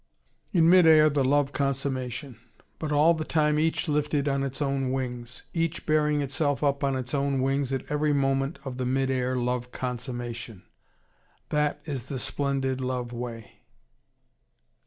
In mid air the love consummation. But all the time each lifted on its own wings: each bearing itself up on its own wings at every moment of the mid air love consummation. That is the splendid love way.